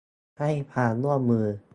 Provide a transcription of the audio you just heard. ให้ความร่วมมือ